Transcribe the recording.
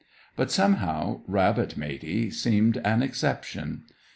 But, somehow, rabbit Matey seemed an exception.